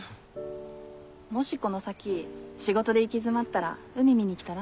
もしこの先仕事で行き詰まったら海見に来たら？